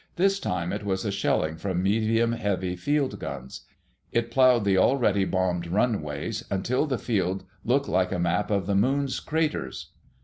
This time it was a shelling from medium heavy field guns. It plowed the already bombed runways until the field looked like a map of the moon's craters.